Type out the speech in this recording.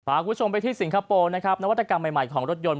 คุณผู้ชมไปที่สิงคโปร์นะครับนวัตกรรมใหม่ใหม่ของรถยนต์